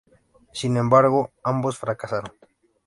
Sin embargo, ambos fracasaron.